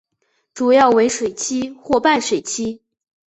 主要为水栖或半水栖。